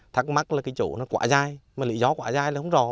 thắc mắc là chỗ nó quả dài mà lý do quả dài là không rõ